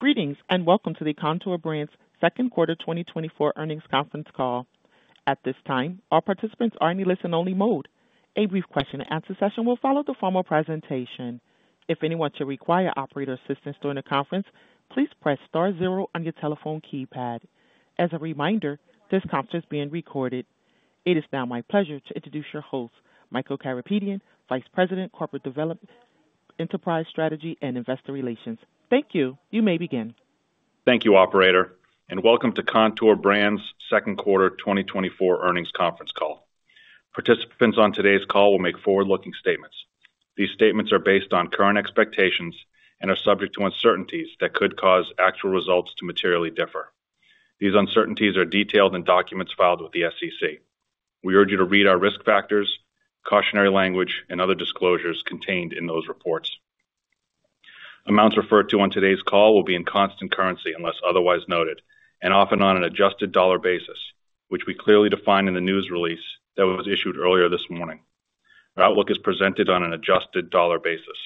Greetings, and welcome to the Kontoor Brands second quarter 2024 earnings conference call. At this time, all participants are in a listen-only mode. A brief question and answer session will follow the formal presentation. If anyone should require operator assistance during the conference, please press star zero on your telephone keypad. As a reminder, this conference is being recorded. It is now my pleasure to introduce your host, Michael Karapetian, Vice President, Corporate Development, Enterprise Strategy, and Investor Relations. Thank you. You may begin. Thank you, operator, and welcome to Kontoor Brands second quarter 2024 earnings conference call. Participants on today's call will make forward-looking statements. These statements are based on current expectations and are subject to uncertainties that could cause actual results to materially differ. These uncertainties are detailed in documents filed with the SEC. We urge you to read our risk factors, cautionary language, and other disclosures contained in those reports. Amounts referred to on today's call will be in constant currency, unless otherwise noted, and often on an adjusted dollar basis, which we clearly define in the news release that was issued earlier this morning. Our outlook is presented on an adjusted dollar basis.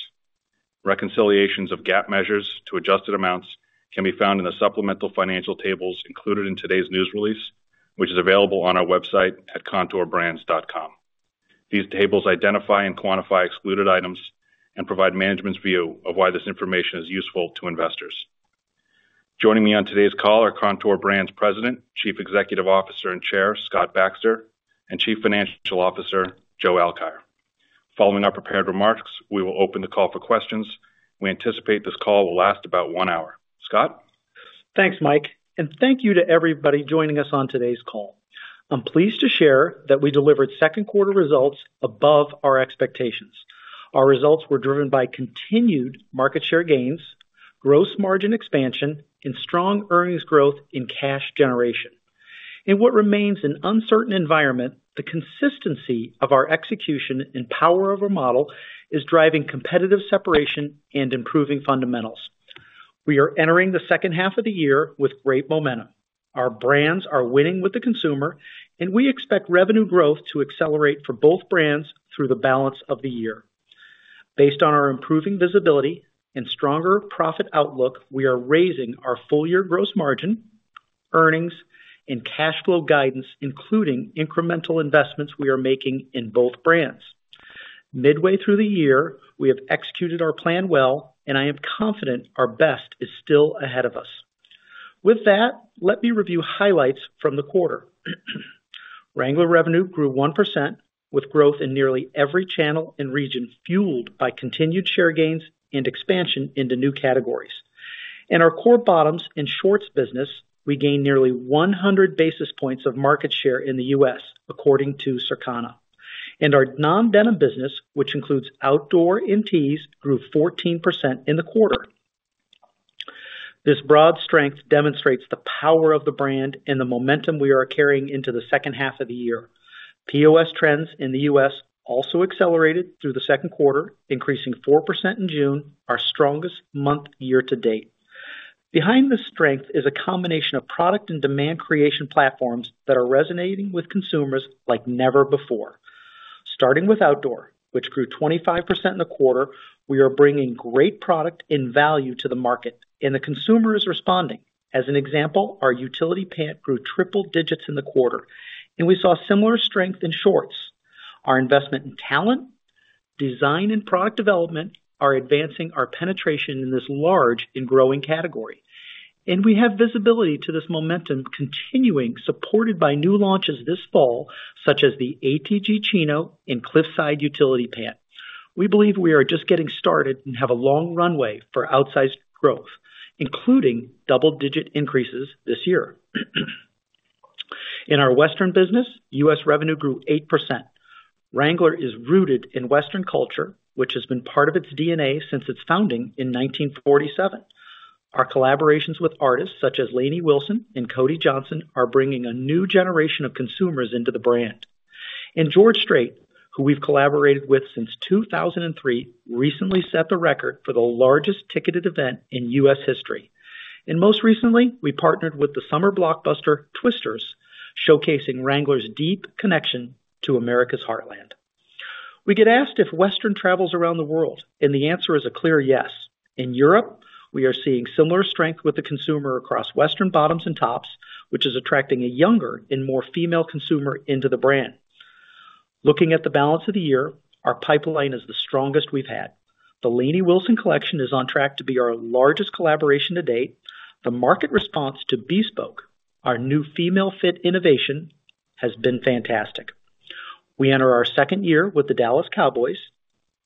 Reconciliations of GAAP measures to adjusted amounts can be found in the supplemental financial tables included in today's news release, which is available on our website at kontoorbrands.com. These tables identify and quantify excluded items and provide management's view of why this information is useful to investors. Joining me on today's call are Kontoor Brands President, Chief Executive Officer, and Chair, Scott Baxter, and Chief Financial Officer, Joe Alkire. Following our prepared remarks, we will open the call for questions. We anticipate this call will last about one hour. Scott? Thanks, Mike, and thank you to everybody joining us on today's call. I'm pleased to share that we delivered second quarter results above our expectations. Our results were driven by continued market share gains, gross margin expansion, and strong earnings growth in cash generation. In what remains an uncertain environment, the consistency of our execution and power of our model is driving competitive separation and improving fundamentals. We are entering the second half of the year with great momentum. Our brands are winning with the consumer, and we expect revenue growth to accelerate for both brands through the balance of the year. Based on our improving visibility and stronger profit outlook, we are raising our full-year gross margin, earnings, and cash flow guidance, including incremental investments we are making in both brands. Midway through the year, we have executed our plan well, and I am confident our best is still ahead of us. With that, let me review highlights from the quarter. Wrangler revenue grew 1%, with growth in nearly every channel and region, fueled by continued share gains and expansion into new categories. In our core bottoms and shorts business, we gained nearly 100 basis points of market share in the U.S., according to Circana. Our non-denim business, which includes outdoor and tees, grew 14% in the quarter. This broad strength demonstrates the power of the brand and the momentum we are carrying into the second half of the year. POS trends in the U.S. also accelerated through the second quarter, increasing 4% in June, our strongest month year to date. Behind this strength is a combination of product and demand creation platforms that are resonating with consumers like never before. Starting with outdoor, which grew 25% in the quarter, we are bringing great product and value to the market, and the consumer is responding. As an example, our utility pant grew triple digits in the quarter, and we saw similar strength in shorts. Our investment in talent, design, and product development are advancing our penetration in this large and growing category, and we have visibility to this momentum continuing, supported by new launches this fall, such as the ATG Chino and Cliffside Utility Pant. We believe we are just getting started and have a long runway for outsized growth, including double-digit increases this year. In our western business, U.S. revenue grew 8%. Wrangler is rooted in Western culture, which has been part of its DNA since its founding in 1947. Our collaborations with artists such as Lainey Wilson and Cody Johnson are bringing a new generation of consumers into the brand. George Strait, who we've collaborated with since 2003, recently set the record for the largest ticketed event in U.S. history. Most recently, we partnered with the summer blockbuster, Twisters, showcasing Wrangler's deep connection to America's Heartland. We get asked if Western travels around the world, and the answer is a clear yes. In Europe, we are seeing similar strength with the consumer across Western bottoms and tops, which is attracting a younger and more female consumer into the brand. Looking at the balance of the year, our pipeline is the strongest we've had. The Lainey Wilson collection is on track to be our largest collaboration to date. The market response to Bespoke, our new female fit innovation, has been fantastic. We enter our second year with the Dallas Cowboys,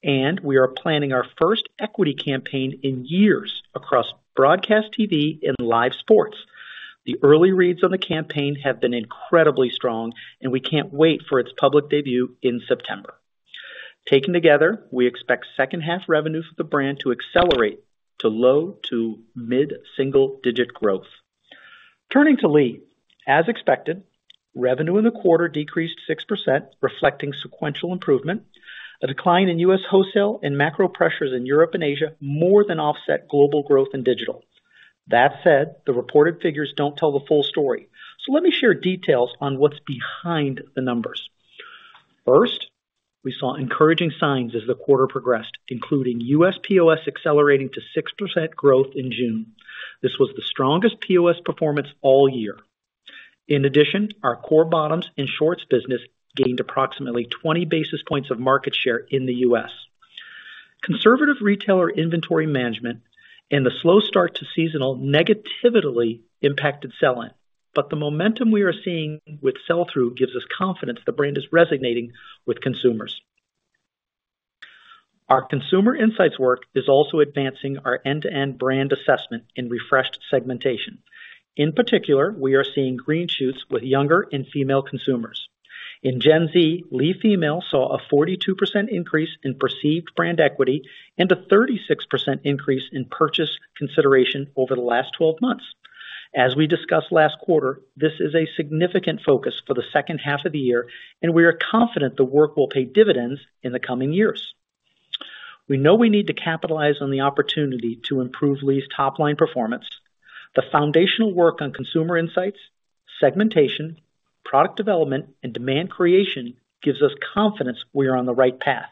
and we are planning our first equity campaign in years across broadcast TV and live sports. The early reads on the campaign have been incredibly strong, and we can't wait for its public debut in September. Taken together, we expect second half revenue for the brand to accelerate to low to mid-single digit growth. Turning to Lee. As expected, revenue in the quarter -6%, reflecting sequential improvement. A decline in U.S. wholesale and macro pressures in Europe and Asia more than offset global growth in digital. That said, the reported figures don't tell the full story. So let me share details on what's behind the numbers. First, we saw encouraging signs as the quarter progressed, including U.S. POS accelerating to 6% growth in June. This was the strongest POS performance all year. In addition, our core bottoms and shorts business gained approximately 20 basis points of market share in the U.S. Conservative retailer inventory management and the slow start to seasonal negatively impacted sell-in, but the momentum we are seeing with sell-through gives us confidence the brand is resonating with consumers. Our consumer insights work is also advancing our end-to-end brand assessment in refreshed segmentation. In particular, we are seeing green shoots with younger and female consumers. In Gen Z, Lee female saw a 42% increase in perceived brand equity and a 36% increase in purchase consideration over the last 12 months. As we discussed last quarter, this is a significant focus for the second half of the year, and we are confident the work will pay dividends in the coming years. We know we need to capitalize on the opportunity to improve Lee's top line performance. The foundational work on consumer insights, segmentation, product development, and demand creation gives us confidence we are on the right path.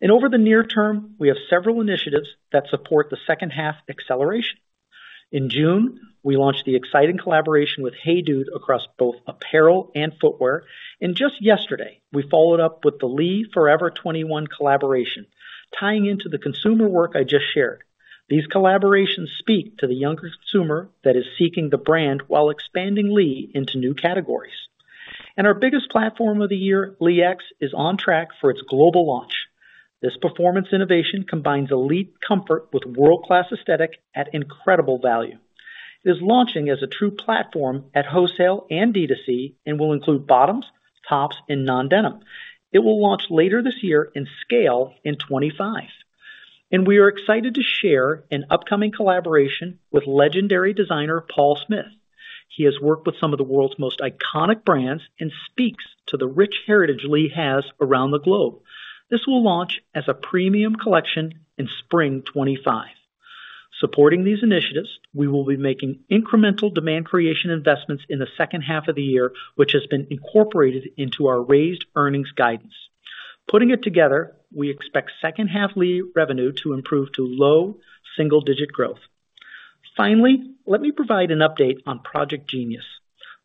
And over the near term, we have several initiatives that support the second half acceleration. In June, we launched the exciting collaboration with HEYDUDE across both apparel and footwear, and just yesterday, we followed up with the Lee Forever 21 collaboration. Tying into the consumer work I just shared, these collaborations speak to the younger consumer that is seeking the brand while expanding Lee into new categories. And our biggest platform of the year, Lee X, is on track for its global launch. This performance innovation combines elite comfort with world-class aesthetic at incredible value. It is launching as a true platform at wholesale and D2C, and will include bottoms, tops, and non-denim. It will launch later this year in scale in 2025. We are excited to share an upcoming collaboration with legendary designer, Paul Smith. He has worked with some of the world's most iconic brands and speaks to the rich heritage Lee has around the globe. This will launch as a premium collection in Spring 2025. Supporting these initiatives, we will be making incremental demand creation investments in the second half of the year, which has been incorporated into our raised earnings guidance. Putting it together, we expect second half Lee revenue to improve to low single digit growth. Finally, let me provide an update on Project Jeanius.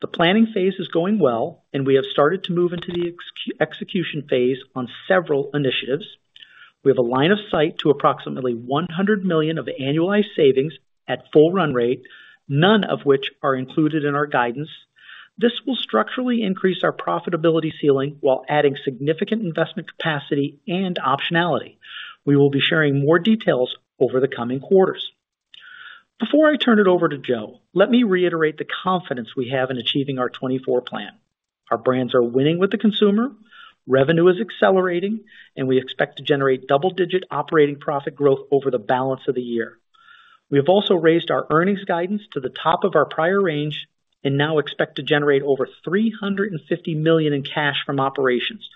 The planning phase is going well, and we have started to move into the execution phase on several initiatives. We have a line of sight to approximately $100 million of annualized savings at full run rate, none of which are included in our guidance. This will structurally increase our profitability ceiling while adding significant investment capacity and optionality. We will be sharing more details over the coming quarters. Before I turn it over to Joe, let me reiterate the confidence we have in achieving our 2024 plan. Our brands are winning with the consumer, revenue is accelerating, and we expect to generate double-digit operating profit growth over the balance of the year. We have also raised our earnings guidance to the top of our prior range and now expect to generate over $350 million in cash from operations,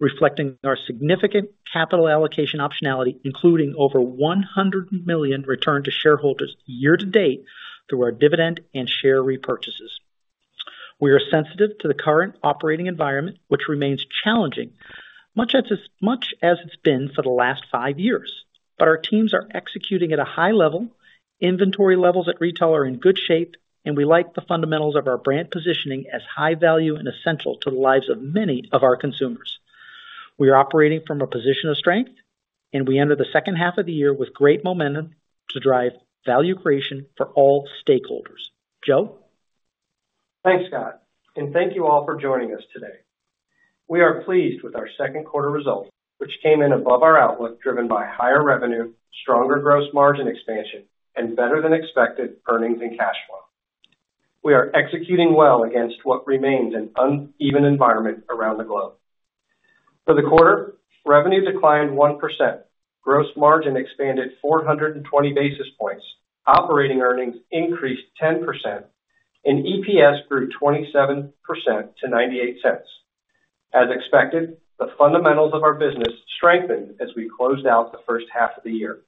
reflecting our significant capital allocation optionality, including over $100 million returned to shareholders year to date through our dividend and share repurchases. We are sensitive to the current operating environment, which remains challenging, much as it's been for the last five years. But our teams are executing at a high level, inventory levels at retail are in good shape, and we like the fundamentals of our brand positioning as high value and essential to the lives of many of our consumers. We are operating from a position of strength, and we enter the second half of the year with great momentum to drive value creation for all stakeholders. Joe? Thanks, Scott, and thank you all for joining us today. We are pleased with our second quarter results, which came in above our outlook, driven by higher revenue, stronger gross margin expansion, and better than expected earnings and cash flow. We are executing well against what remains an uneven environment around the globe. For the quarter, revenue -1%, gross margin expanded 420 basis points, operating earnings 10%+, and EPS grew 27% to $0.98. As expected, the fundamentals of our business strengthened as we closed out the first half of the year.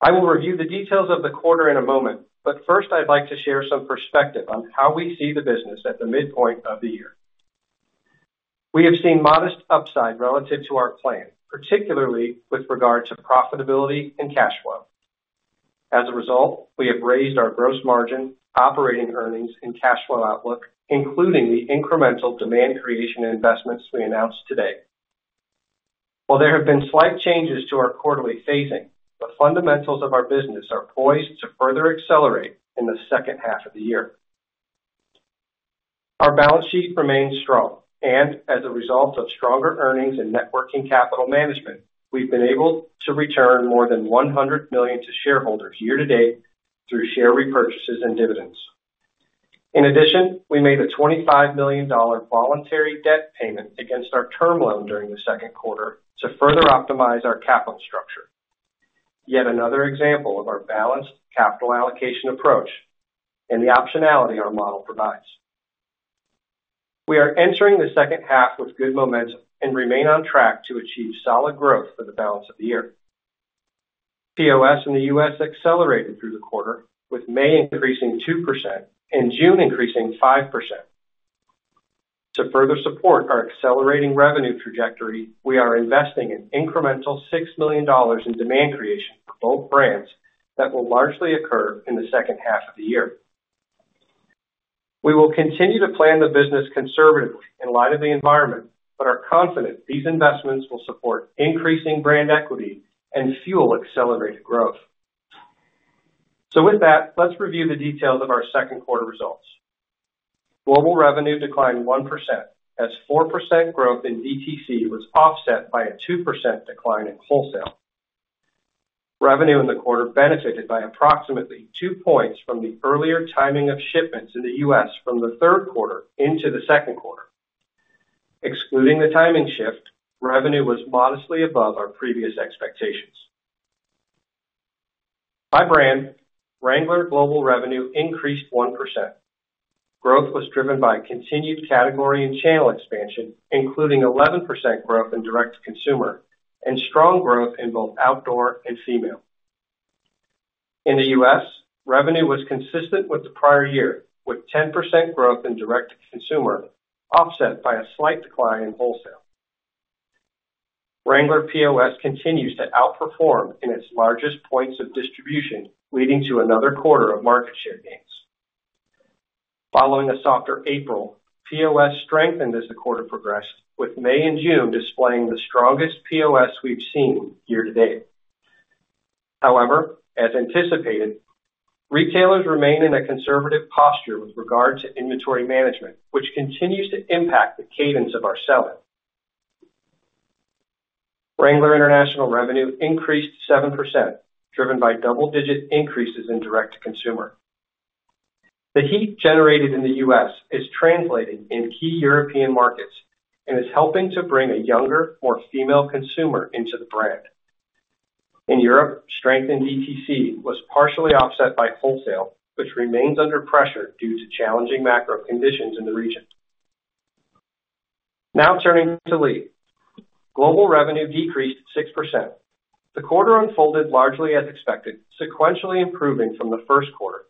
I will review the details of the quarter in a moment, but first, I'd like to share some perspective on how we see the business at the midpoint of the year. We have seen modest upside relative to our plan, particularly with regard to profitability and cash flow. As a result, we have raised our gross margin, operating earnings, and cash flow outlook, including the incremental demand creation investments we announced today. While there have been slight changes to our quarterly phasing, the fundamentals of our business are poised to further accelerate in the second half of the year. Our balance sheet remains strong, and as a result of stronger earnings and net working capital management, we've been able to return more than $100 million to shareholders year to date through share repurchases and dividends. In addition, we made a $25 million voluntary debt payment against our term loan during the second quarter to further optimize our capital structure. Yet another example of our balanced capital allocation approach and the optionality our model provides. We are entering the second half with good momentum and remain on track to achieve solid growth for the balance of the year. POS in the US accelerated through the quarter, with May increasing 2% and June increasing 5%. To further support our accelerating revenue trajectory, we are investing an incremental $6 million in demand creation for both brands that will largely occur in the second half of the year. We will continue to plan the business conservatively in light of the environment, but are confident these investments will support increasing brand equity and fuel accelerated growth. So with that, let's review the details of our second quarter results. Global revenue declined 1%, as 4% growth in DTC was offset by a 2% decline in wholesale. Revenue in the quarter benefited by approximately 2 points from the earlier timing of shipments in the U.S. from the third quarter into the second quarter. Excluding the timing shift, revenue was modestly above our previous expectations. By brand, Wrangler global revenue 1%+. Growth was driven by continued category and channel expansion, including 11% growth in direct-to-consumer, and strong growth in both outdoor and female. In the U.S., revenue was consistent with the prior year, with 10% growth in direct-to-consumer, offset by a slight decline in wholesale. Wrangler POS continues to outperform in its largest points of distribution, leading to another quarter of market share gains. Following a softer April, POS strengthened as the quarter progressed, with May and June displaying the strongest POS we've seen year-to-date. However, as anticipated, retailers remain in a conservative posture with regard to inventory management, which continues to impact the cadence of our selling. Wrangler international revenue 7%+, driven by double-digit increases in direct-to-consumer. The heat generated in the US is translating in key European markets and is helping to bring a younger, more female consumer into the brand. In Europe, strengthened DTC was partially offset by wholesale, which remains under pressure due to challenging macro conditions in the region. Now, turning to Lee. Global revenue -6%. The quarter unfolded largely as expected, sequentially improving from the first quarter.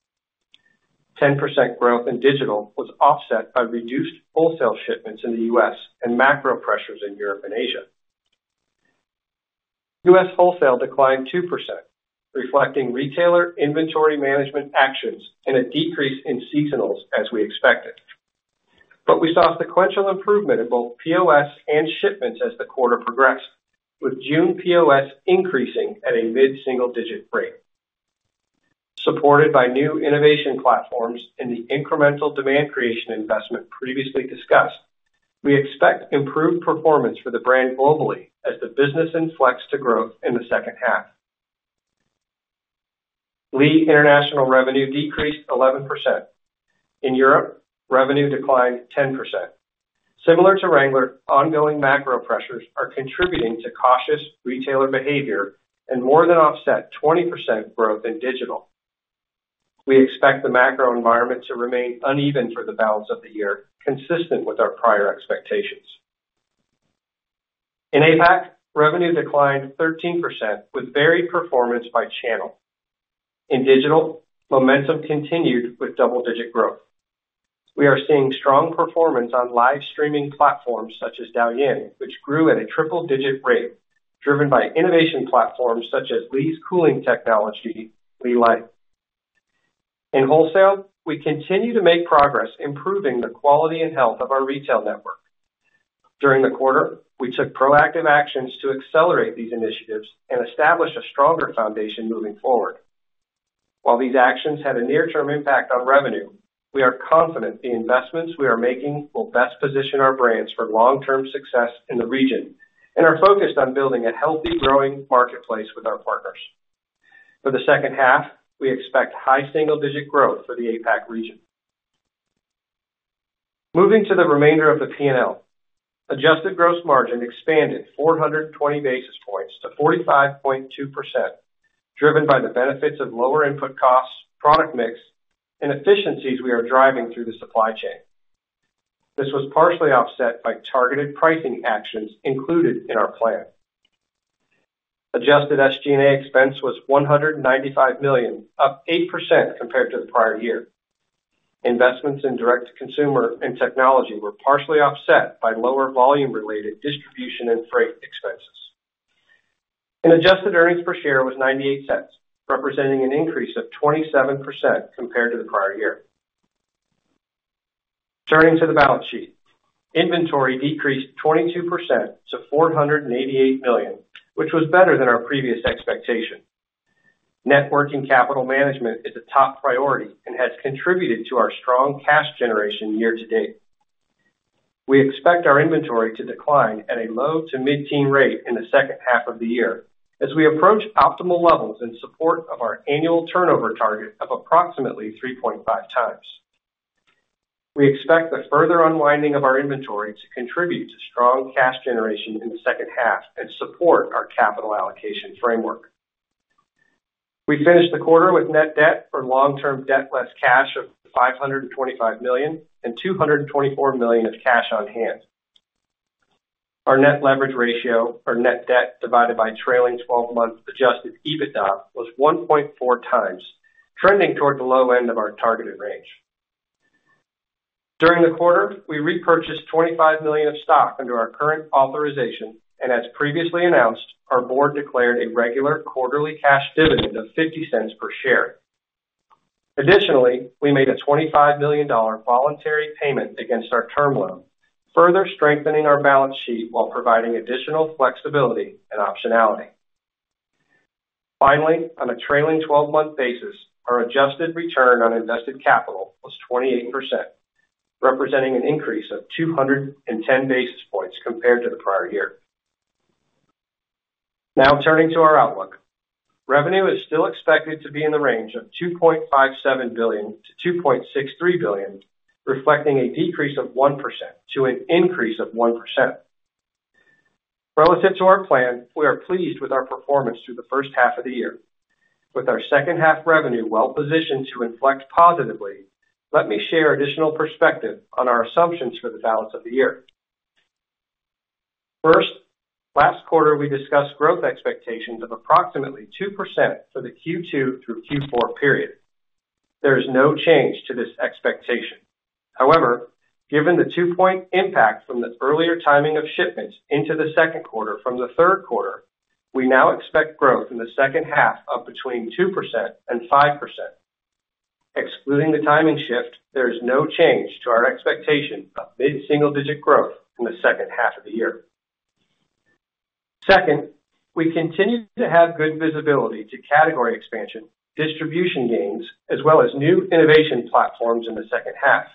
10% growth in digital was offset by reduced wholesale shipments in the US and macro pressures in Europe and Asia. US wholesale -2%, reflecting retailer inventory management actions and a decrease in seasonals, as we expected. But we saw sequential improvement in both POS and shipments as the quarter progressed, with June POS increasing at a mid-single-digit rate. Supported by new innovation platforms and the incremental demand creation investment previously discussed, we expect improved performance for the brand globally as the business inflects to growth in the second half. Lee international revenue -11%. In Europe, revenue -10%. Similar to Wrangler, ongoing macro pressures are contributing to cautious retailer behavior and more than offset 20% growth in digital. We expect the macro environment to remain uneven for the balance of the year, consistent with our prior expectations. In APAC, revenue -3% with varied performance by channel. In digital, momentum continued with double-digit growth. We are seeing strong performance on live streaming platforms such as Douyin, which grew at a triple-digit rate, driven by innovation platforms such as Lee's cooling technology, Lee Lite. In wholesale, we continue to make progress improving the quality and health of our retail network. During the quarter, we took proactive actions to accelerate these initiatives and establish a stronger foundation moving forward. While these actions had a near-term impact on revenue, we are confident the investments we are making will best position our brands for long-term success in the region and are focused on building a healthy, growing marketplace with our partners. For the second half, we expect high single-digit growth for the APAC region. Moving to the remainder of the PNL. Adjusted gross margin expanded 420 basis points to 45.2%, driven by the benefits of lower input costs, product mix, and efficiencies we are driving through the supply chain. This was partially offset by targeted pricing actions included in our plan. Adjusted SG&A expense was $195 million, up 8% compared to the prior year. Investments in direct-to-consumer and technology were partially offset by lower volume-related distribution and freight expenses. Adjusted earnings per share was $0.98, representing an increase of 27% compared to the prior year. Turning to the balance sheet. Inventory -22% to $488 million, which was better than our previous expectation. Net working capital management is a top priority and has contributed to our strong cash generation year-to-date. We expect our inventory to decline at a low to mid-teen rate in the second half of the year as we approach optimal levels in support of our annual turnover target of approximately 3.5x. We expect the further unwinding of our inventory to contribute to strong cash generation in the second half and support our capital allocation framework. We finished the quarter with net debt or long-term debt less cash of $525 million, and $224 million of cash on hand. Our net leverage ratio, our net debt divided by trailing 12 months adjusted EBITDA, was 1.4x, trending toward the low end of our targeted range. During the quarter, we repurchased $25 million of stock under our current authorization, and as previously announced, our board declared a regular quarterly cash dividend of $0.50 per share. Additionally, we made a $25 million voluntary payment against our term loan, further strengthening our balance sheet while providing additional flexibility and optionality. Finally, on a trailing 12-month basis, our adjusted return on invested capital was 28%, representing an increase of 210 basis points compared to the prior year. Now turning to our outlook. Revenue is still expected to be in the range of $2.57 billion-$2.63 billion, reflecting a decrease of 1% to an increase of 1%. Relative to our plan, we are pleased with our performance through the first half of the year. With our second half revenue well positioned to inflect positively, let me share additional perspective on our assumptions for the balance of the year. First, last quarter, we discussed growth expectations of approximately 2% for the Q2 through Q4 period. There is no change to this expectation. However, given the two-point impact from the earlier timing of shipments into the second quarter from the third quarter, we now expect growth in the second half of between 2% and 5%. Excluding the timing shift, there is no change to our expectation of mid-single-digit growth in the second half of the year. Second, we continue to have good visibility to category expansion, distribution gains, as well as new innovation platforms in the second half.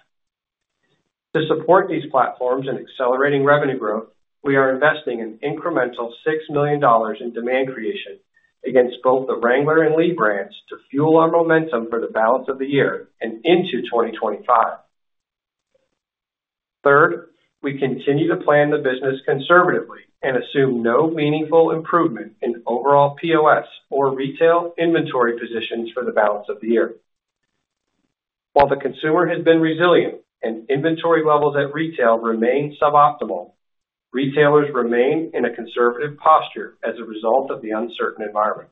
To support these platforms and accelerating revenue growth, we are investing an incremental $6 million in demand creation against both the Wrangler and Lee brands to fuel our momentum for the balance of the year and into 2025. Third, we continue to plan the business conservatively and assume no meaningful improvement in overall POS or retail inventory positions for the balance of the year. While the consumer has been resilient and inventory levels at retail remain suboptimal, retailers remain in a conservative posture as a result of the uncertain environment.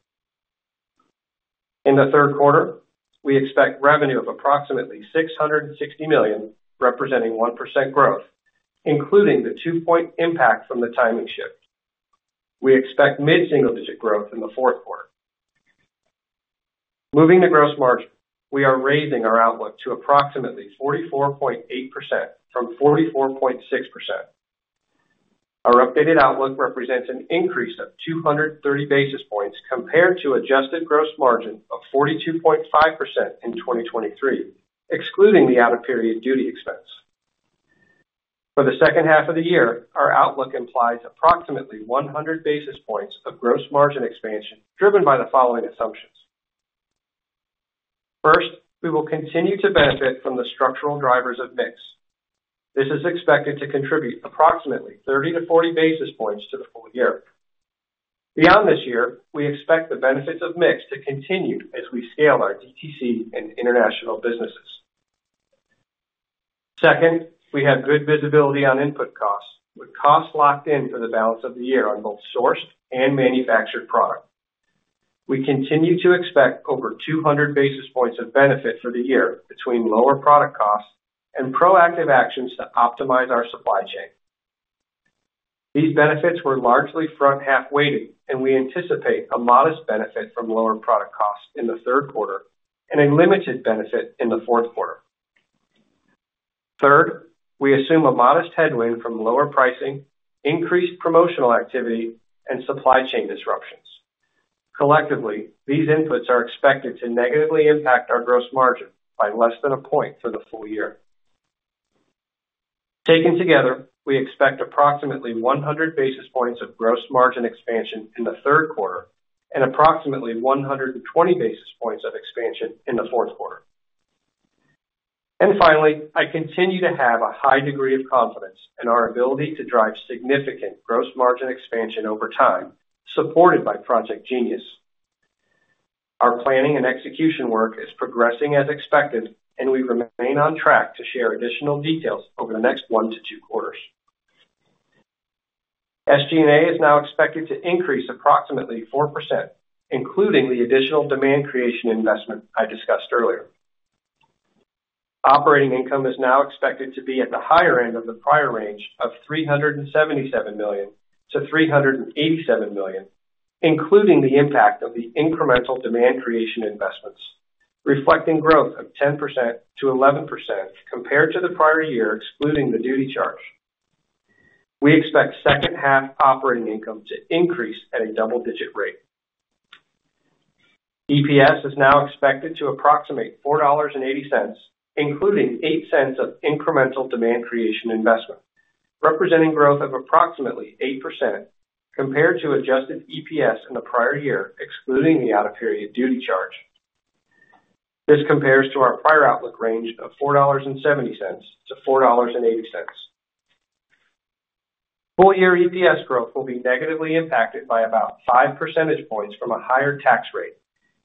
In the third quarter, we expect revenue of approximately $660 million, representing 1% growth, including the two-point impact from the timing shift. We expect mid-single-digit growth in the fourth quarter. Moving to gross margin, we are raising our outlook to approximately 44.8% from 44.6%. Our updated outlook represents an increase of 230 basis points compared to adjusted gross margin of 42.5% in 2023, excluding the out-of-period duty expense. For the second half of the year, our outlook implies approximately 100 basis points of gross margin expansion, driven by the following assumptions. First, we will continue to benefit from the structural drivers of mix. This is expected to contribute approximately 30-40 basis points to the full year. Beyond this year, we expect the benefits of mix to continue as we scale our DTC and international businesses. Second, we have good visibility on input costs, with costs locked in for the balance of the year on both sourced and manufactured product. We continue to expect over 200 basis points of benefit for the year between lower product costs and proactive actions to optimize our supply chain. These benefits were largely front half weighted, and we anticipate a modest benefit from lower product costs in the third quarter and a limited benefit in the fourth quarter. Third, we assume a modest headwind from lower pricing, increased promotional activity, and supply chain disruptions. Collectively, these inputs are expected to negatively impact our gross margin by less than a point for the full year. Taken together, we expect approximately 100 basis points of gross margin expansion in the third quarter and approximately 120 basis points of expansion in the fourth quarter. Finally, I continue to have a high degree of confidence in our ability to drive significant gross margin expansion over time, supported by Project Jeanius. Our planning and execution work is progressing as expected, and we remain on track to share additional details over the next one to two quarters. SG&A is now expected to increase approximately 4%, including the additional demand creation investment I discussed earlier. Operating income is now expected to be at the higher end of the prior range of $377 million-$387 million, including the impact of the incremental demand creation investments, reflecting growth of 10%-11% compared to the prior year, excluding the duty charge. We expect second half operating income to increase at a double-digit rate. EPS is now expected to approximate $4.80, including $0.08 of incremental demand creation investment, representing growth of approximately 8% compared to adjusted EPS in the prior year, excluding the out-of-period duty charge. This compares to our prior outlook range of $4.70-$4.80. Full-year EPS growth will be negatively impacted by about 5 percentage points from a higher tax rate,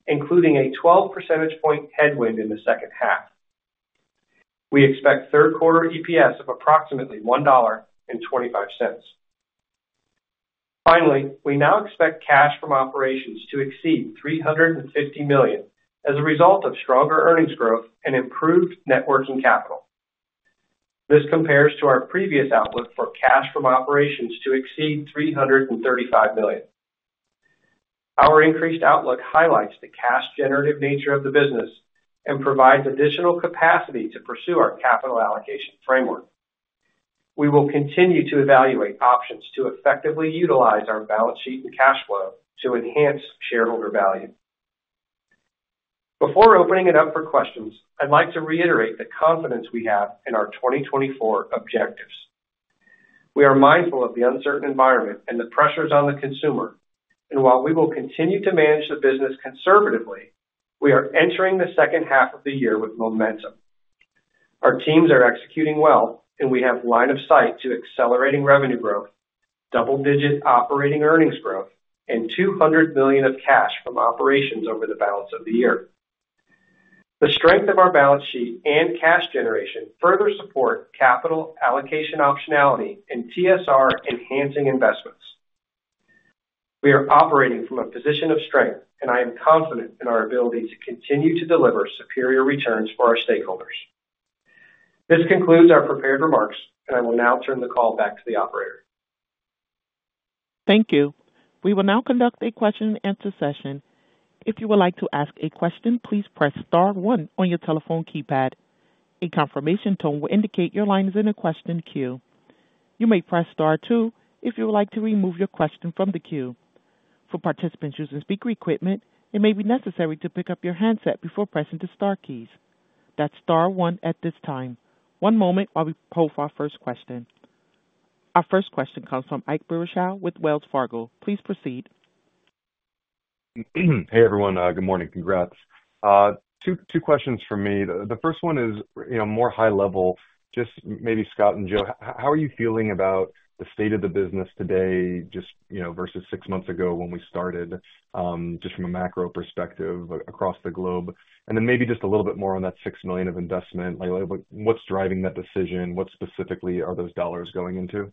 including a 12 percentage point headwind in the second half. We expect third quarter EPS of approximately $1.25. Finally, we now expect cash from operations to exceed $350 million as a result of stronger earnings growth and improved net working capital. This compares to our previous outlook for cash from operations to exceed $335 million. Our increased outlook highlights the cash generative nature of the business and provides additional capacity to pursue our capital allocation framework. We will continue to evaluate options to effectively utilize our balance sheet and cash flow to enhance shareholder value. Before opening it up for questions, I'd like to reiterate the confidence we have in our 2024 objectives. We are mindful of the uncertain environment and the pressures on the consumer, and while we will continue to manage the business conservatively, we are entering the second half of the year with momentum. Our teams are executing well, and we have line of sight to accelerating revenue growth, double-digit operating earnings growth, and $200 million of cash from operations over the balance of the year. The strength of our balance sheet and cash generation further support capital allocation optionality and TSR-enhancing investments. We are operating from a position of strength, and I am confident in our ability to continue to deliver superior returns for our stakeholders. This concludes our prepared remarks, and I will now turn the call back to the operator. Thank you. We will now conduct a question and answer session. If you would like to ask a question, please press star one on your telephone keypad. A confirmation tone will indicate your line is in a question queue. You may press star two if you would like to remove your question from the queue. For participants using speaker equipment, it may be necessary to pick up your handset before pressing the star keys. That's star one at this time. One moment while we poll for our first question. Our first question comes from Ike Boruchow with Wells Fargo. Please proceed. Hey, everyone. Good morning. Congrats. Two questions for me. The first one is, you know, more high level. Just maybe Scott and Joe, how are you feeling about the state of the business today, just, you know, versus six months ago when we started, just from a macro perspective across the globe? And then maybe just a little bit more on that $6 million of investment. Like, what, what's driving that decision? What specifically are those dollars going into?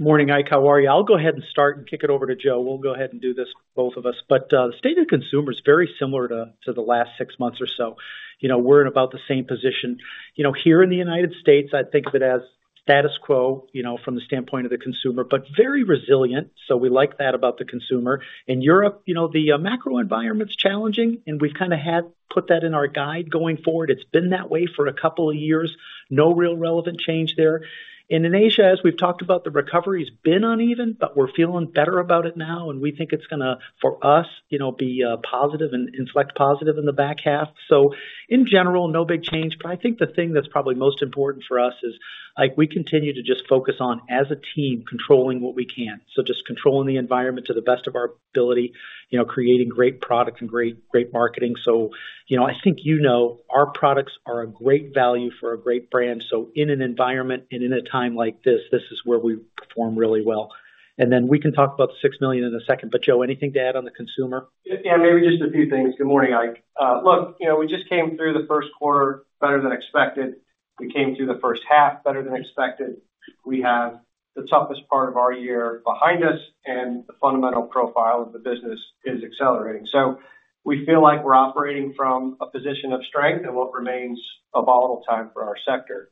Morning, Ike. How are you? I'll go ahead and start and kick it over to Joe. We'll go ahead and do this, both of us. But, the state of consumer is very similar to the last six months or so. You know, we're in about the same position. You know, here in the United States, I think of it as status quo, you know, from the standpoint of the consumer, but very resilient, so we like that about the consumer. In Europe, you know, the macro environment's challenging, and we've kind of had put that in our guide going forward. It's been that way for a couple of years. No real relevant change there. And in Asia, as we've talked about, the recovery's been uneven, but we're feeling better about it now, and we think it's gonna, for us, you know, be positive and select positive in the back half. So in general, no big change, but I think the thing that's probably most important for us is, like, we continue to just focus on, as a team, controlling what we can. So just controlling the environment to the best of our ability, you know, creating great product and great, great marketing. So, you know, I think you know, our products are a great value for a great brand. So in an environment and in a time like this, this is where we perform really well. And then we can talk about the $6 million in a second, but, Joe, anything to add on the consumer? Yeah, maybe just a few things. Good morning, Ike. Look, you know, we just came through the first quarter better than expected. We came through the first half better than expected. We have the toughest part of our year behind us, and the fundamental profile of the business is accelerating. So we feel like we're operating from a position of strength and what remains a volatile time for our sector.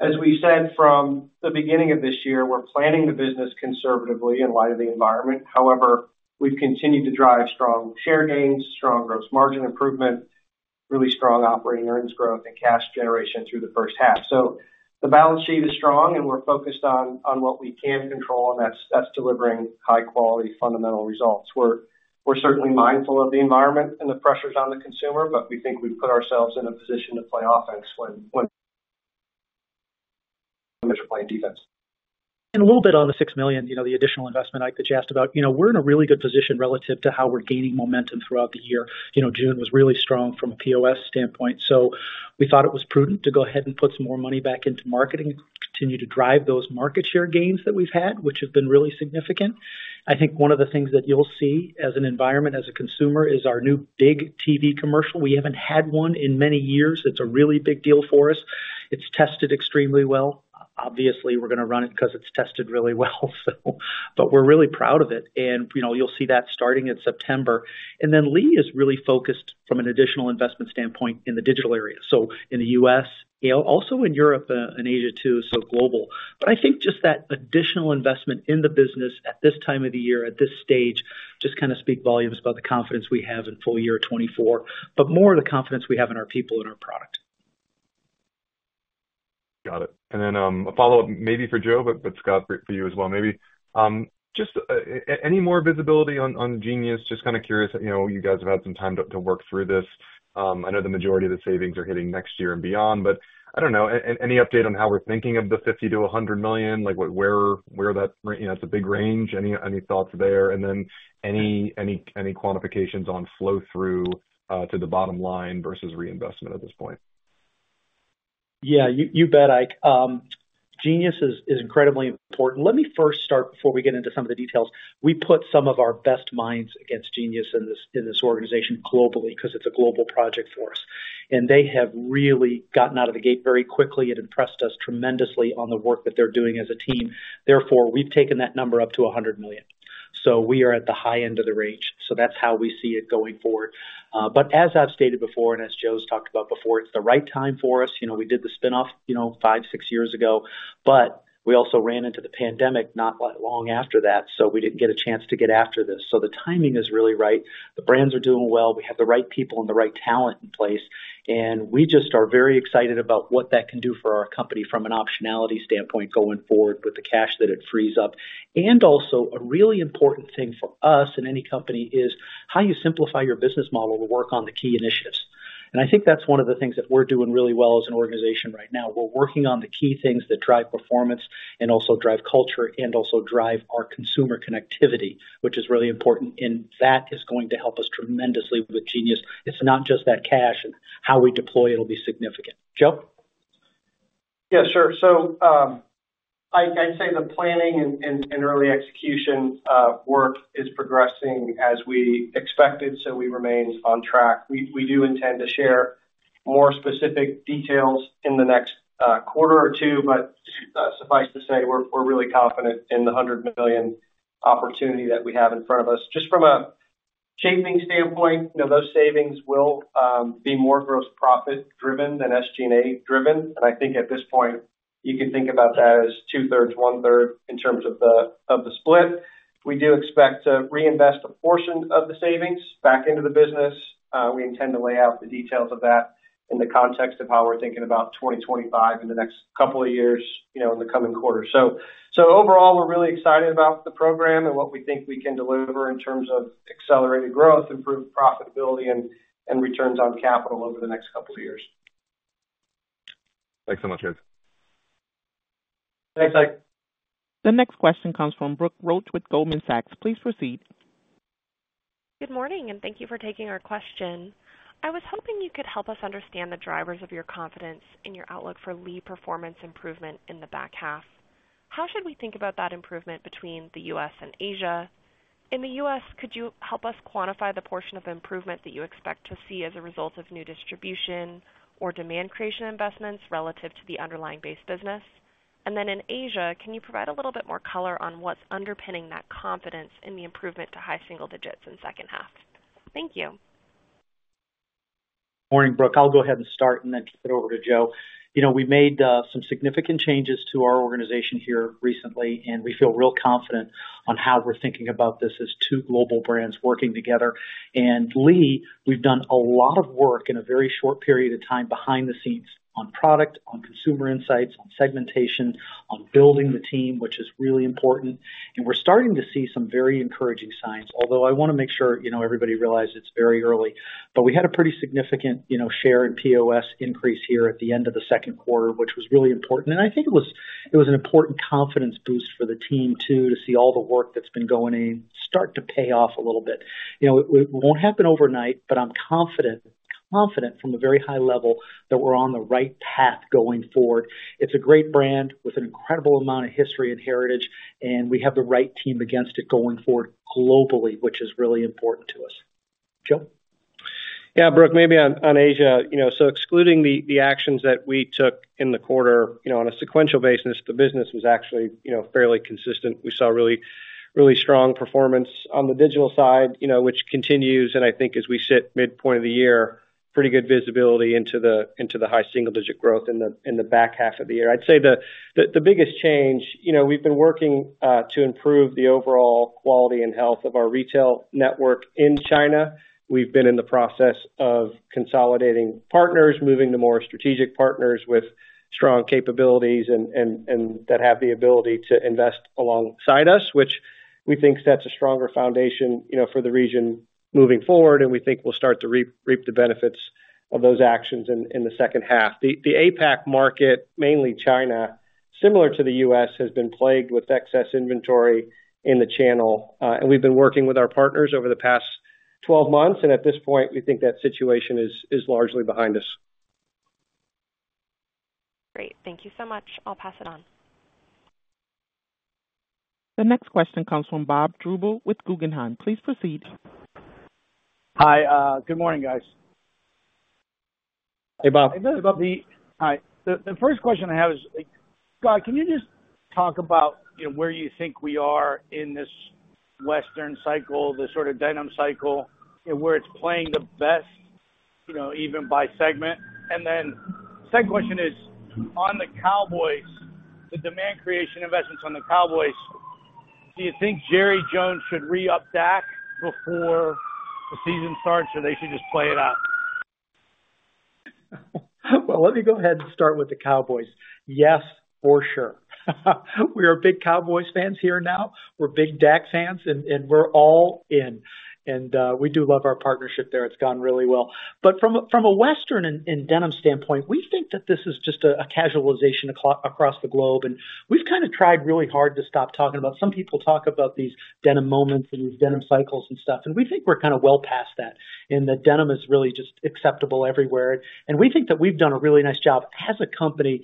As we said from the beginning of this year, we're planning the business conservatively in light of the environment. However, we've continued to drive strong share gains, strong gross margin improvement, really strong operating earnings growth and cash generation through the first half. So the balance sheet is strong, and we're focused on, on what we can control, and that's, that's delivering high quality, fundamental results. We're certainly mindful of the environment and the pressures on the consumer, but we think we've put ourselves in a position to play offense when playing defense. And a little bit on the $6 million, you know, the additional investment, Ike, that you asked about. You know, we're in a really good position relative to how we're gaining momentum throughout the year. You know, June was really strong from a POS standpoint, so we thought it was prudent to go ahead and put some more money back into marketing, continue to drive those market share gains that we've had, which have been really significant. I think one of the things that you'll see as an environment, as a consumer, is our new big TV commercial. We haven't had one in many years. It's a really big deal for us. It's tested extremely well. Obviously, we're gonna run it because it's tested really well, so... But we're really proud of it, and, you know, you'll see that starting in September. Lee is really focused from an additional investment standpoint in the digital area. In the U.S., you know, also in Europe, and Asia, too, so global. I think just that additional investment in the business at this time of the year, at this stage, just kind of speak volumes about the confidence we have in full year 2024, but more the confidence we have in our people and our product. Got it. And then, a follow-up maybe for Joe, but Scott, for you as well. Maybe, just, any more visibility on Jeanius? Just kind of curious, you know, you guys have had some time to work through this. I know the majority of the savings are hitting next year and beyond, but I don't know, any update on how we're thinking of the $50 million-$100 million? Like, what, where that, you know, that's a big range. Any quantifications on flow-through to the bottom line versus reinvestment at this point? Yeah, you bet, Ike. Jeanius is incredibly important. Let me first start before we get into some of the details. We put some of our best minds against Jeanius in this organization globally, 'cause it's a global project for us, and they have really gotten out of the gate very quickly and impressed us tremendously on the work that they're doing as a team. Therefore, we've taken that number up to $100 million. So we are at the high end of the range. So that's how we see it going forward. But as I've stated before, and as Joe's talked about before, it's the right time for us. You know, we did the spinoff, you know, five, six years ago, but we also ran into the pandemic not long after that, so we didn't get a chance to get after this. So the timing is really right. The brands are doing well. We have the right people and the right talent in place, and we just are very excited about what that can do for our company from an optionality standpoint going forward with the cash that it frees up. And also, a really important thing for us and any company is how you simplify your business model to work on the key initiatives. And I think that's one of the things that we're doing really well as an organization right now. We're working on the key things that drive performance and also drive culture and also drive our consumer connectivity, which is really important, and that is going to help us tremendously with Jeanius. It's not just that cash, and how we deploy it will be significant. Joe? Yeah, sure. So, I'd say the planning and early execution of work is progressing as we expected, so we remain on track. We do intend to share more specific details in the next quarter or two, but suffice to say, we're really confident in the $100 million opportunity that we have in front of us. Just from a shaping standpoint, you know, those savings will be more gross profit driven than SG&A driven. And I think at this point, you can think about that as 2/3, 1/3 in terms of the split. We do expect to reinvest a portion of the savings back into the business. We intend to lay out the details of that in the context of how we're thinking about 2025 in the next couple of years, you know, in the coming quarter. So, so overall, we're really excited about the program and what we think we can deliver in terms of accelerated growth, improved profitability and, and returns on capital over the next couple of years. Thanks so much, guys. Thanks, Ike. The next question comes from Brooke Roach with Goldman Sachs. Please proceed. Good morning, and thank you for taking our question. I was hoping you could help us understand the drivers of your confidence in your outlook for Lee performance improvement in the back half. How should we think about that improvement between the U.S. and Asia? In the U.S., could you help us quantify the portion of improvement that you expect to see as a result of new distribution or demand creation investments relative to the underlying base business? And then in Asia, can you provide a little bit more color on what's underpinning that confidence in the improvement to high single digits in the second half? Thank you. Morning, Brooke. I'll go ahead and start and then kick it over to Joe. You know, we made some significant changes to our organization here recently, and we feel real confident on how we're thinking about this as two global brands working together. And Lee, we've done a lot of work in a very short period of time behind the scenes on product, on consumer insights, on segmentation, on building the team, which is really important. And we're starting to see some very encouraging signs, although I wanna make sure, you know, everybody realizes it's very early. But we had a pretty significant, you know, share in POS increase here at the end of the second quarter, which was really important. I think it was, it was an important confidence boost for the team, too, to see all the work that's been going in start to pay off a little bit. You know, it, it won't happen overnight, but I'm confident, confident from a very high level that we're on the right path going forward. It's a great brand with an incredible amount of history and heritage, and we have the right team against it going forward globally, which is really important to us. Joe? Yeah, Brooke, maybe on Asia. You know, so excluding the actions that we took in the quarter, you know, on a sequential basis, the business was actually, you know, fairly consistent. We saw really, really strong performance on the digital side, you know, which continues, and I think as we sit midpoint of the year, pretty good visibility into the high single digit growth in the back half of the year. I'd say the biggest change, you know, we've been working to improve the overall quality and health of our retail network in China. We've been in the process of consolidating partners, moving to more strategic partners with strong capabilities and that have the ability to invest alongside us, which we think sets a stronger foundation, you know, for the region moving forward, and we think we'll start to reap the benefits of those actions in the second half. The APAC market, mainly China, has been plagued with excess inventory in the channel. We've been working with our partners over the past 12 months, and at this point, we think that situation is largely behind us. Great. Thank you so much. I'll pass it on. The next question comes from Bob Drbul with Guggenheim. Please proceed. Hi, good morning, guys. Hey, Bob. Hey, Bob. Hi. The first question I have is, Scott, can you just talk about, you know, where you think we are in this western cycle, this sort of denim cycle, and where it's playing the best, you know, even by segment? And then second question is, on the Cowboys, the demand creation investments on the Cowboys, do you think Jerry Jones should re-up Dak before the season starts, or they should just play it out? Well, let me go ahead and start with the Cowboys. Yes, for sure. We are big Cowboys fans here now. We're big Dak fans, and we're all in. And we do love our partnership there. It's gone really well. But from a western and denim standpoint, we think that this is just a casualization across the globe, and we've kind of tried really hard to stop talking about... Some people talk about these denim moments and these denim cycles and stuff, and we think we're kind of well past that.... and the denim is really just acceptable everywhere. And we think that we've done a really nice job as a company,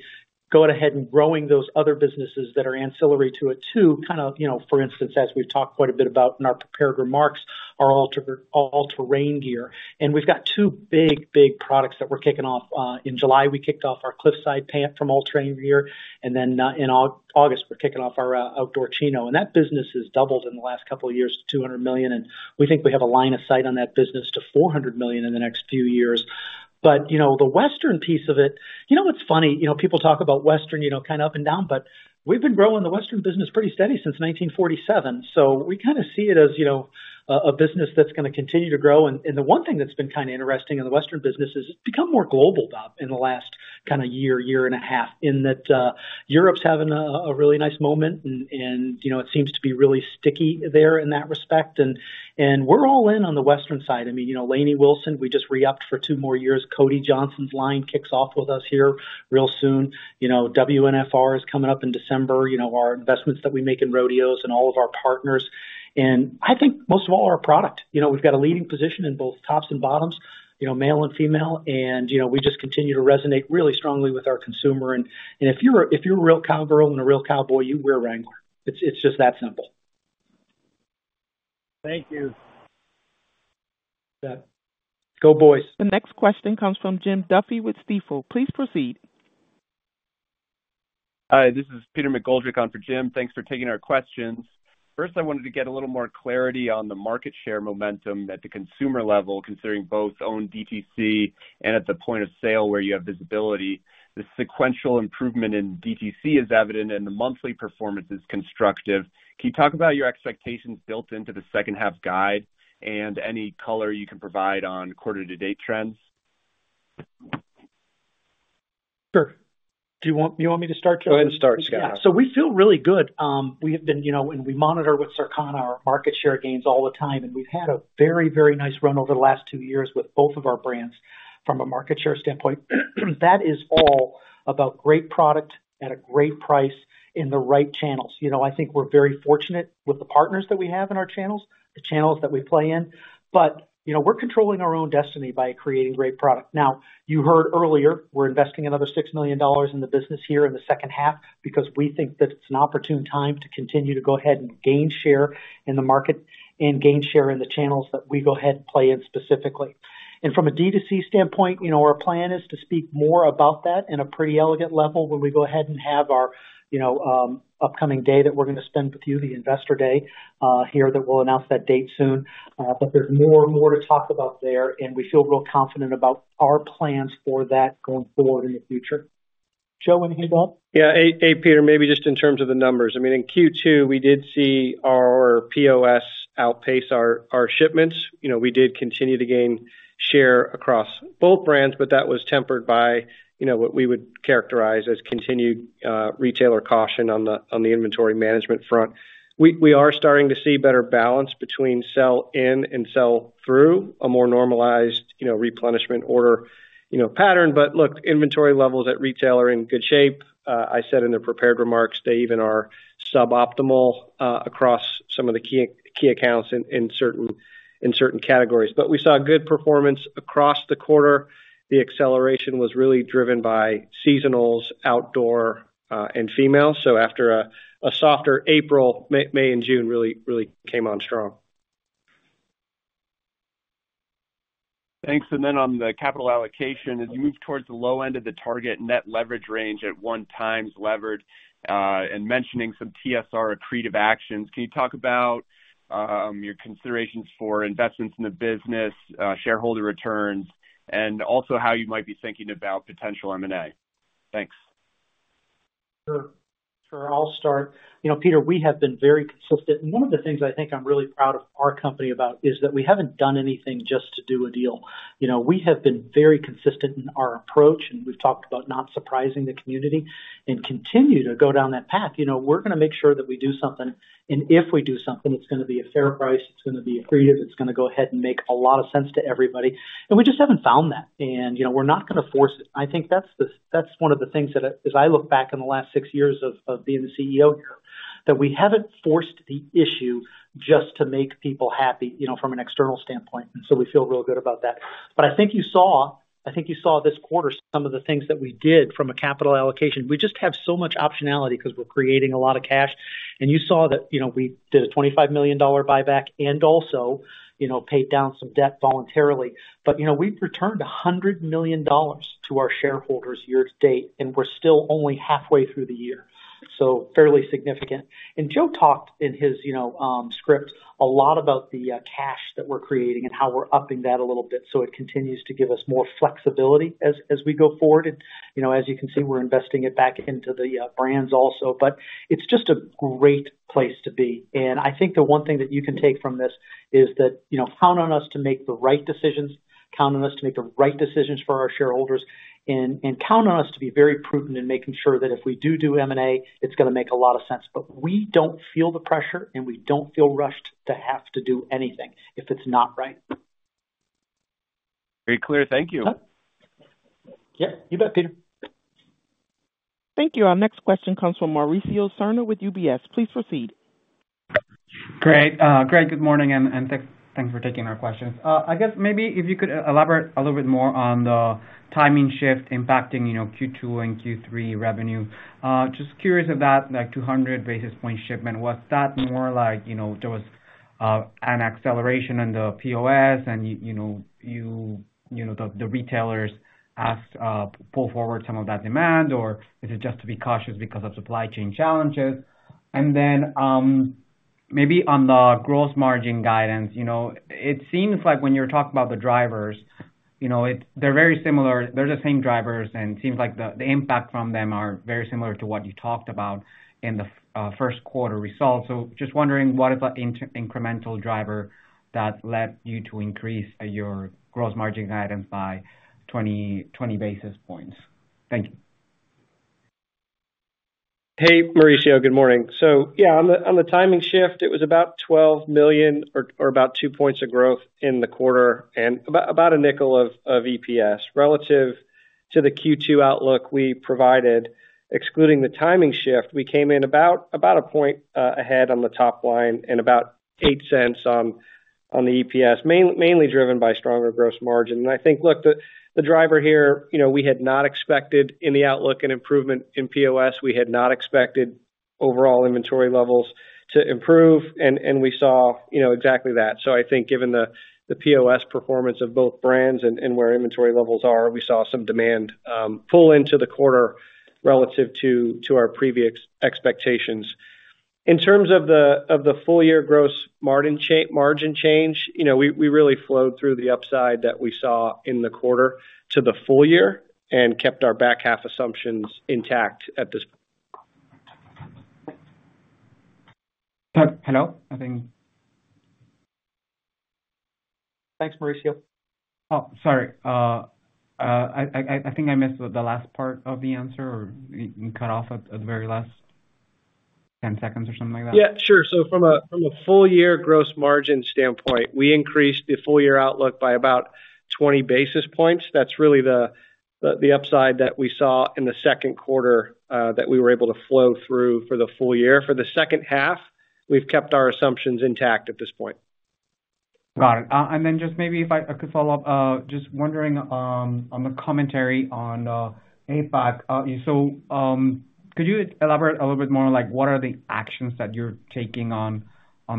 going ahead and growing those other businesses that are ancillary to it, too. Kind of, you know, for instance, as we've talked quite a bit about in our prepared remarks, our All Terrain Gear. And we've got two big, big products that we're kicking off. In July, we kicked off our Cliffside pant from All Terrain Gear, and then, in August, we're kicking off our Outdoor Chino. And that business has doubled in the last couple of years to $200 million, and we think we have a line of sight on that business to $400 million in the next few years. But, you know, the Western piece of it... You know what's funny? You know, people talk about Western, you know, kind of up and down, but we've been growing the Western business pretty steady since 1947. So we kinda see it as, you know, a business that's gonna continue to grow. The one thing that's been kind of interesting in the Western business is it's become more global, Bob, in the last kind of year and a half, in that, Europe's having a really nice moment and, you know, it seems to be really sticky there in that respect. We're all in on the Western side. I mean, you know, Lainey Wilson, we just re-upped for two more years. Cody Johnson's line kicks off with us here real soon. You know, WNFR is coming up in December. You know, our investments that we make in rodeos and all of our partners, and I think most of all, our product. You know, we've got a leading position in both tops and bottoms, you know, male and female, and, you know, we just continue to resonate really strongly with our consumer. If you're a real cowgirl and a real cowboy, you wear Wrangler. It's just that simple. Thank you. Go, boys. The next question comes from Jim Duffy with Stifel. Please proceed. Hi, this is Peter McGoldrick on for Jim. Thanks for taking our questions. First, I wanted to get a little more clarity on the market share momentum at the consumer level, considering both own DTC and at the point of sale where you have visibility. The sequential improvement in DTC is evident, and the monthly performance is constructive. Can you talk about your expectations built into the second half guide and any color you can provide on quarter-to-date trends? Sure. Do you want me to start, Joe? Go ahead and start, Scott, yeah. So we feel really good. We have been... You know, and we monitor with Circana our market share gains all the time, and we've had a very, very nice run over the last two years with both of our brands from a market share standpoint. That is all about great product at a great price in the right channels. You know, I think we're very fortunate with the partners that we have in our channels, the channels that we play in, but, you know, we're controlling our own destiny by creating great product. Now, you heard earlier, we're investing another $6 million in the business here in the second half because we think that it's an opportune time to continue to go ahead and gain share in the market and gain share in the channels that we go ahead and play in specifically. From a D2C standpoint, you know, our plan is to speak more about that in a pretty elegant level when we go ahead and have our, you know, upcoming day that we're going to spend with you, the Investor Day, here, that we'll announce that date soon. But there's more and more to talk about there, and we feel real confident about our plans for that going forward in the future. Joe, anything you want to add? Yeah. Hey, hey, Peter, maybe just in terms of the numbers. I mean, in Q2, we did see our POS outpace our shipments. You know, we did continue to gain share across both brands, but that was tempered by, you know, what we would characterize as continued retailer caution on the inventory management front. We are starting to see better balance between sell-in and sell-through, a more normalized, you know, replenishment order, you know, pattern. But look, inventory levels at retail are in good shape. I said in the prepared remarks, they even are suboptimal across some of the key accounts in certain categories. But we saw good performance across the quarter. The acceleration was really driven by seasonals, outdoor, and female. So after a softer April, May and June really came on strong. Thanks. And then on the capital allocation, as you move towards the low end of the target net leverage range at 1x levered, and mentioning some TSR accretive actions, can you talk about your considerations for investments in the business, shareholder returns, and also how you might be thinking about potential M&A? Thanks. Sure. Sure, I'll start. You know, Peter, we have been very consistent, and one of the things I think I'm really proud of our company about is that we haven't done anything just to do a deal. You know, we have been very consistent in our approach, and we've talked about not surprising the community and continue to go down that path. You know, we're gonna make sure that we do something, and if we do something, it's gonna be a fair price, it's gonna be accretive, it's gonna go ahead and make a lot of sense to everybody. And we just haven't found that, and, you know, we're not gonna force it. I think that's one of the things that, as I look back on the last six years of being the CEO here, that we haven't forced the issue just to make people happy, you know, from an external standpoint. And so we feel real good about that. But I think you saw this quarter, some of the things that we did from a capital allocation. We just have so much optionality because we're creating a lot of cash. And you saw that, you know, we did a $25 million buyback and also, you know, paid down some debt voluntarily. But, you know, we've returned $100 million to our shareholders year to date, and we're still only halfway through the year, so fairly significant. And Joe talked in his, you know, script a lot about the cash that we're creating and how we're upping that a little bit. So it continues to give us more flexibility as we go forward. And, you know, as you can see, we're investing it back into the brands also. But it's just a great place to be, and I think the one thing that you can take from this is that, you know, count on us to make the right decisions, count on us to make the right decisions for our shareholders, and count on us to be very prudent in making sure that if we do do M&A, it's gonna make a lot of sense. But we don't feel the pressure, and we don't feel rushed to have to do anything if it's not right. Very clear. Thank you. Yeah, you bet, Peter. Thank you. Our next question comes from Mauricio Serna with UBS. Please proceed. Great. Greg, good morning, and thanks for taking our questions. I guess maybe if you could elaborate a little bit more on the timing shift impacting, you know, Q2 and Q3 revenue. Just curious about that, like, 200 basis point shipment. Was that more like, you know, there was an acceleration in the POS and you know, you know, the retailers asked pull forward some of that demand? Or is it just to be cautious because of supply chain challenges? And then, maybe on the gross margin guidance, you know, it seems like when you're talking about the drivers, you know, it, they're very similar. They're the same drivers, and it seems like the impact from them are very similar to what you talked about in the first quarter results. Just wondering, what is the incremental driver that led you to increase your gross margin guidance by 20 basis points? Thank you. Hey, Mauricio. Good morning. So, yeah, on the timing shift, it was about $12 million or about 2 points of growth in the quarter and about $0.05 of EPS. Relative to the Q2 outlook we provided, excluding the timing shift, we came in about 1 point ahead on the top line and about $0.08 on the EPS, mainly driven by stronger gross margin. And I think, look, the driver here, you know, we had not expected any outlook and improvement in POS. We had not expected overall inventory levels to improve, and we saw, you know, exactly that. So I think given the POS performance of both brands and where inventory levels are, we saw some demand pull into the quarter relative to our previous expectations. In terms of the full year gross margin change, you know, we really flowed through the upside that we saw in the quarter to the full year and kept our back half assumptions intact at this- Hello? I think... Thanks, Mauricio. Oh, sorry. I think I missed the last part of the answer, or you cut off at the very last 10 seconds or something like that. Yeah, sure. So from a full year gross margin standpoint, we increased the full year outlook by about 20 basis points. That's really the upside that we saw in the second quarter, that we were able to flow through for the full year. For the second half, we've kept our assumptions intact at this point. Got it. And then just maybe if I could follow up, just wondering on the commentary on APAC. So, could you elaborate a little bit more on, like, what are the actions that you're taking on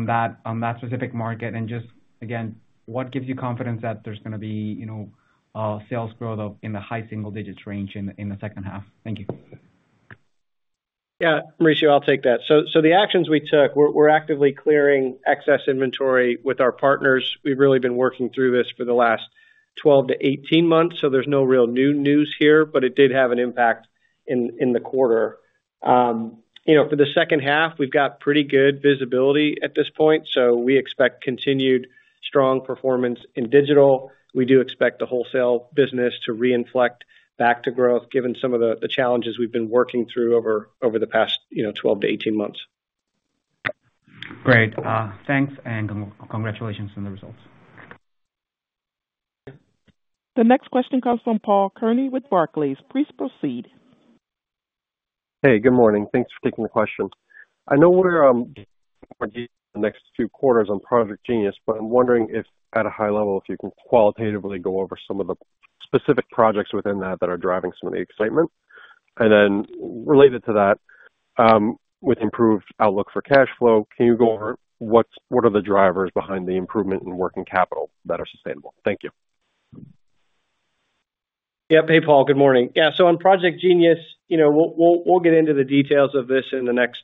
that specific market? And just, again, what gives you confidence that there's gonna be, you know, sales growth of in the high single digits range in the second half? Thank you. Yeah, Mauricio, I'll take that. So the actions we took, we're actively clearing excess inventory with our partners. We've really been working through this for the last 12-18 months, so there's no real new news here, but it did have an impact in the quarter. You know, for the second half, we've got pretty good visibility at this point, so we expect continued strong performance in digital. We do expect the wholesale business to reinflate back to growth, given some of the challenges we've been working through over the past, you know, 12-18 months. Great. Thanks and congratulations on the results. The next question comes from Paul Kearney with Barclays. Please proceed. Hey, good morning. Thanks for taking the question. I know we're the next few quarters on Project Jeanius, but I'm wondering if, at a high level, if you can qualitatively go over some of the specific projects within that that are driving some of the excitement? And then related to that, with improved outlook for cash flow, can you go over what are the drivers behind the improvement in working capital that are sustainable? Thank you. Yeah. Hey, Paul. Good morning. Yeah, so on Project Jeanius, you know, we'll get into the details of this in the next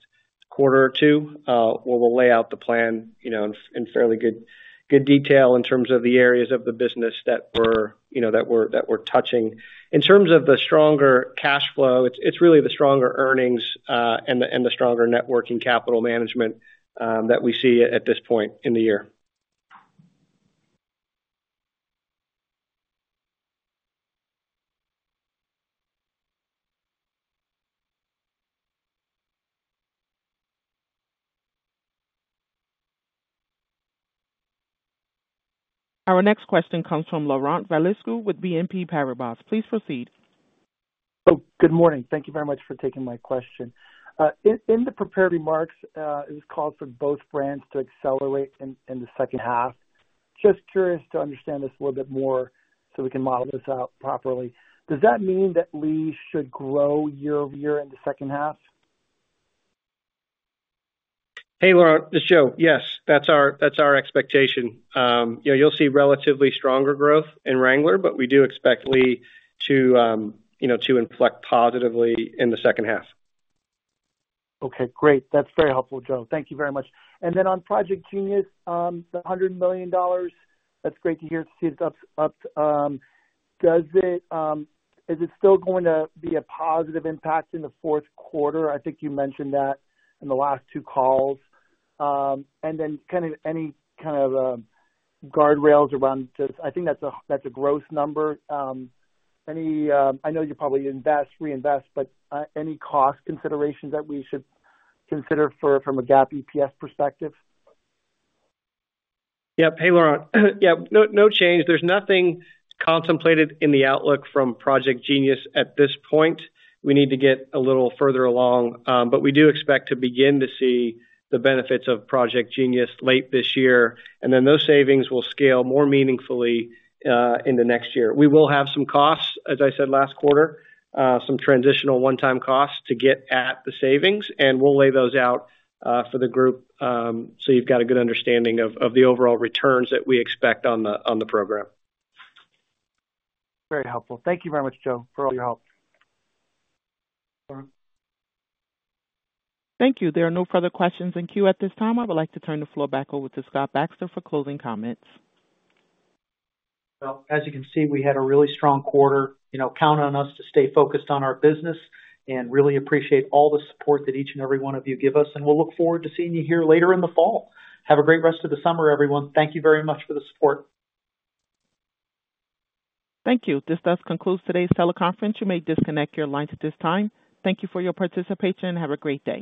quarter or two. Where we'll lay out the plan, you know, in fairly good detail in terms of the areas of the business that we're touching. In terms of the stronger cash flow, it's really the stronger earnings and the stronger working capital management that we see at this point in the year. Our next question comes from Laurent Vasilescu with BNP Paribas. Please proceed. Oh, good morning. Thank you very much for taking my question. In the prepared remarks, it was called for both brands to accelerate in the second half. Just curious to understand this a little bit more, so we can model this out properly. Does that mean that Lee should grow year-over-year in the second half? Hey, Laurent. This is Joe. Yes, that's our, that's our expectation. Yeah, you'll see relatively stronger growth in Wrangler, but we do expect Lee to, you know, to inflect positively in the second half. Okay, great. That's very helpful, Joe. Thank you very much. And then on Project Jeanius, the $100 million, that's great to hear. It seems up. Does it, is it still going to be a positive impact in the fourth quarter? I think you mentioned that in the last two calls. And then kind of any kind of guardrails around this? I think that's a gross number. Any, I know you probably invest, reinvest, but any cost considerations that we should consider from a GAAP EPS perspective? Yeah. Hey, Laurent. Yeah, no, no change. There's nothing contemplated in the outlook from Project Jeanius at this point. We need to get a little further along, but we do expect to begin to see the benefits of Project Jeanius late this year, and then those savings will scale more meaningfully in the next year. We will have some costs, as I said last quarter, some transitional one-time costs to get at the savings, and we'll lay those out for the group, so you've got a good understanding of, of the overall returns that we expect on the, on the program. Very helpful. Thank you very much, Joe, for all your help. Thank you. There are no further questions in queue at this time. I would like to turn the floor back over to Scott Baxter for closing comments. Well, as you can see, we had a really strong quarter. You know, count on us to stay focused on our business and really appreciate all the support that each and every one of you give us, and we'll look forward to seeing you here later in the fall. Have a great rest of the summer, everyone. Thank you very much for the support. Thank you. This does conclude today's teleconference. You may disconnect your lines at this time. Thank you for your participation, and have a great day.